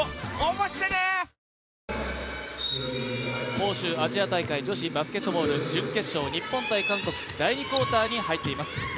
杭州アジア大会女子バスケットボール準決勝、日本×韓国第２クオーターに入っています。